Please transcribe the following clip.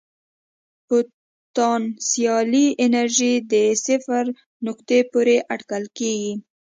پوتنسیالي انرژي د صفر نقطې پورې اټکل کېږي.